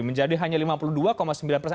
menjadi hanya lima puluh dua sembilan persen